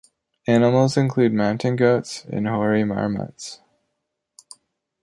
Animals include mountain goats and hoary marmots.